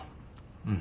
うん。